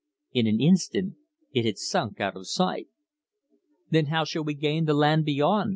In an instant it had sunk out of sight. "Then how shall we gain the land beyond?"